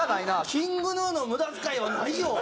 ＫｉｎｇＧｎｕの無駄遣いはないよ！